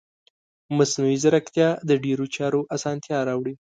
مصنوعي ځیرکتیا د ډیرو چارو اسانتیا راوړي.